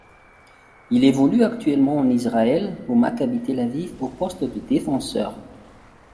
Il évolue actuellement en Israël au Maccabi Tel-Aviv au poste de défenseur.